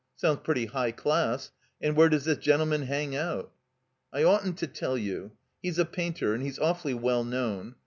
"Soimds pretty high class. And where does this gentleman hang out?" "I oughtn't to tell you. He's a painter, and he's awfully well known.